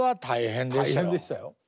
大変でしたよ。